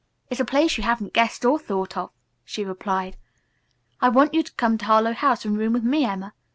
"It's a place you haven't guessed or thought of," she replied. "I want you to come to Harlowe House and room with me, Emma.